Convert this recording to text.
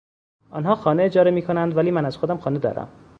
آنها خانه اجاره میکنند ولی من از خودم خانه دارم.